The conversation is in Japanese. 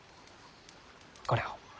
これを。